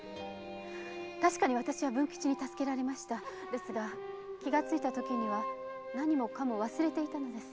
確かに私は文吉に助けられましたですが気がついたときには何もかも忘れていたのです。